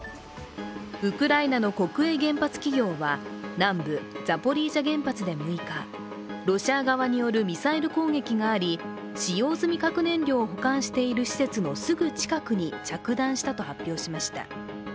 ウクライナの国営原発企業は南部ザポリージャ原発で６日ロシア側によるミサイル攻撃があり使用済み核燃料を保管している施設のすぐ近くに着弾したと発表しました。